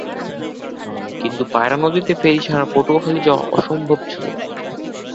কিন্তু পায়রা নদীতে ফেরি ছাড়া পটুয়াখালী যাওয়া অসম্ভব ছিলো।